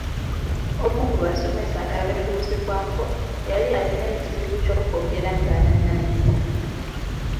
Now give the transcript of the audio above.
Omu ku basomesa abeebuuzibwako yali alina ekizibu ky’okwogera ng’ananaagira.